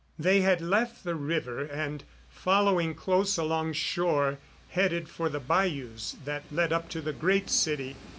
They had left the river and, following close along shore, headed for the bayous that led up to the Great City.